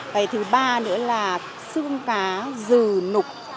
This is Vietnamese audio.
cái thứ ba nữa là xương cá dừ nục